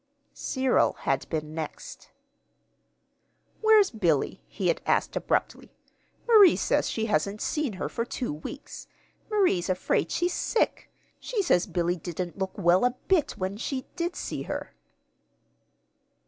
Cyril had been next. "Where's Billy?" he had asked abruptly. "Marie says she hasn't seen her for two weeks. Marie's afraid she's sick. She says Billy didn't look well a bit, when she did see her."